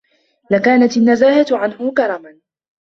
لَكَانَتْ النَّزَاهَةُ عَنْهُ كَرَمًا